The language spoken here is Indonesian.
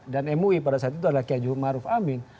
dan mui pada saat itu adalah ki haji maruf amin